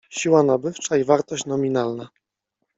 Siła nabywcza i wartość nominalna.